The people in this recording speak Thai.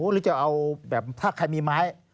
หรือจะเอาแบบถ้าใครมีไม้